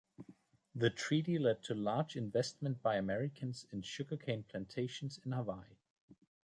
The treaty led to large investment by Americans in sugarcane plantations in Hawaii.